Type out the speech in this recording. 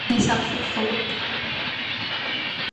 მე სახლში ვცხოვრობ